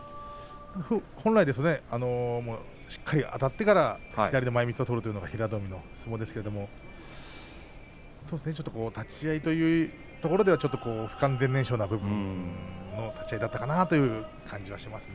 本来ですとしっかりあたってから左の前みつを取るというが平戸海の相撲ですが立ち合いというところでは不完全燃焼の部分もある立ち合いだったという感じがします。